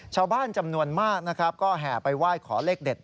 ชาวบ้านจำนวนมากนะครับก็แห่ไปไหว้ขอเลขเด็ด